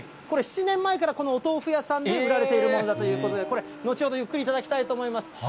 これ、７年前からこのお豆腐屋さんで売られているものだということで、これ、後ほどゆっくり頂きたいと思います。